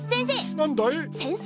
なんだい？